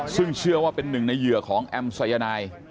ซึ่งเชื่อว่าเป็นหนึ่งในเหยื่อของแอมสายนาย